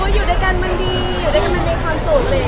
อยู่ด้วยกันมันดีอยู่ด้วยกันมันมีความสุข